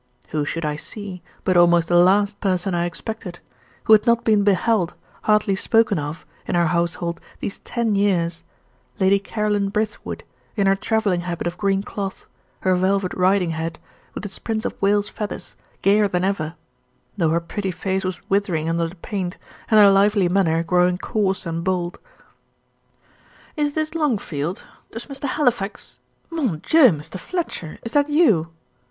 Who should I see, but almost the last person I expected who had not been beheld, hardly spoken of, in our household these ten years Lady Caroline Brithwood, in her travelling habit of green cloth, her velvet riding hat, with its Prince of Wales' feathers, gayer than ever though her pretty face was withering under the paint, and her lively manner growing coarse and bold. "Is this Longfield? Does Mr. Halifax mon Dieu, Mr. Fletcher, is that you?"